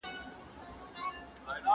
په خپل ځان کي د زغم خصلت پیدا کړه.